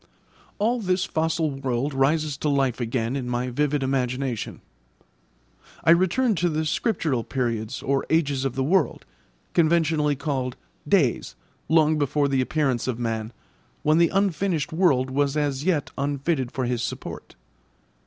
All this fossil world rises to life again in my vivid imagination. I return to the scriptural periods or ages of the world, conventionally called 'days,' long before the appearance of man, when the unfinished world was as yet unfitted for his support.